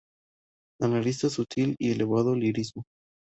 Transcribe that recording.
Analista sutil y elevado lirismo.